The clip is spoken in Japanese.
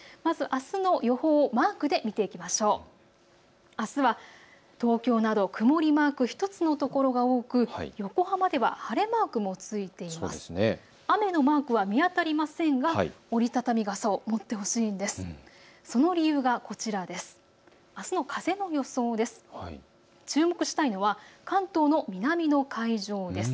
雨のマークは見当たりませんが折り畳み傘を持ってほしいんです。